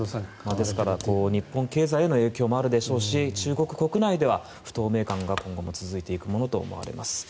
日本経済への影響もあるでしょうし中国国内では不透明感が今後も続いていくものとみられます。